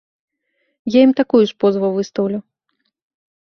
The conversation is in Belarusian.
Я ім такую ж позву выстаўлю.